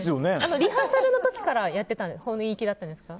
リハーサルの時から本意気だったんですか。